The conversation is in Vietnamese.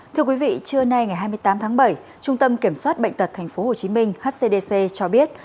thưa quý vị trưa nay ngày hai mươi tám tháng bảy trung tâm kiểm soát bệnh tật tp hcm hcdc cho biết